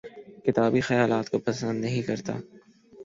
کتابی خیالات کو پسند نہیں کرتا